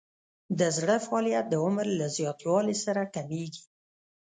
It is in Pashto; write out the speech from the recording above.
د زړه فعالیت د عمر له زیاتوالي سره کمیږي.